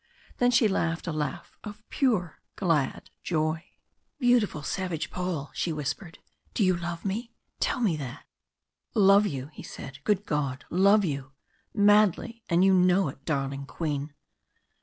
Then she laughed a laugh of pure glad joy. "Beautiful, savage Paul," she whispered. "Do you love me? Tell me that?" "Love you!" he said. "Good God! Love you! Madly, and you know it, darling Queen."